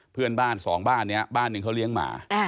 เพื่อนบ้านสองบ้านนี้บ้านหนึ่งเขาเลี้ยงหมา